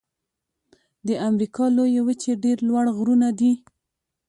د امریکا لویې وچې ډېر لوړ غرونه دي.